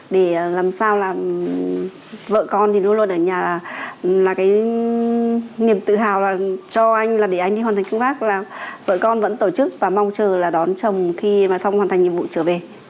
để làm sao là vợ con thì luôn luôn ở nhà là cái niềm tự hào là cho anh là để anh đi hoàn thành công bác là vợ con vẫn tổ chức và mong chờ là đón chồng khi mà xong hoàn thành nhiệm vụ trở về